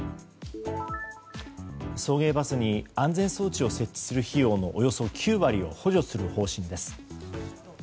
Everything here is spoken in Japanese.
送迎バスに安全装置を設置する費用のおよそ９割を補助する方針です。